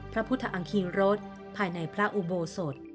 พระพุทธอังคีรสภายในพระอุโบสถ